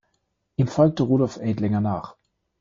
Ihm folgte Rudolf Edlinger nach.